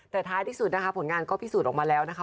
แต่ท้ายที่สุดนะคะผลงานก็พิสูจน์ออกมาแล้วนะคะ